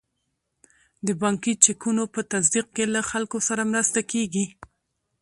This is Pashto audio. د بانکي چکونو په تصدیق کې له خلکو سره مرسته کیږي.